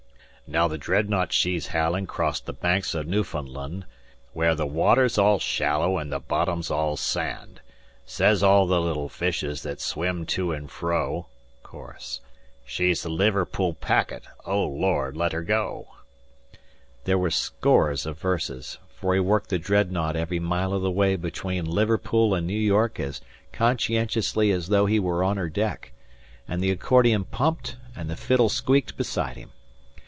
"Now the Dreadnought she's howlin' crost the Banks o' Newfoundland, Where the water's all shallow and the bottom's all sand. Sez all the little fishes that swim to and fro: (Chorus.) 'She's the Liverpool packet O Lord, let her go!'", There were scores of verses, for he worked the Dreadnought every mile of the way between Liverpool and New York as conscientiously as though he were on her deck, and the accordion pumped and the fiddle squeaked beside him.